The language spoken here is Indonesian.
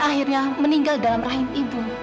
dan akhirnya meninggal dalam rahim ibu